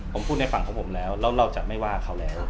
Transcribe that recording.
ผมพูดในฝั่งของผมแล้วแล้วเราจะไม่ว่าเขาแล้ว